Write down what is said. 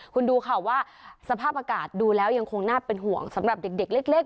คุณดูค่ะว่าสภาพอากาศดูแล้วยังคงน่าเป็นห่วงสำหรับเด็กเล็ก